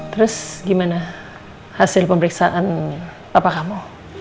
terus gimana hasil pemeriksaan papa kamu